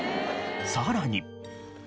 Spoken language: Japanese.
さらに。